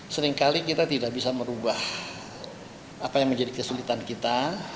seringkali kita tidak bisa merubah apa yang menjadi kesulitan kita